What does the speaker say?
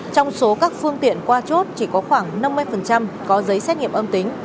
trong số các phương tiện qua chốt chỉ có khoảng năm mươi có giấy xét nghiệm âm tính